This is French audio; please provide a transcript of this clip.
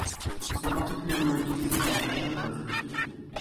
Ils sont particulièrement utilisés dans la recherche de la furtivité.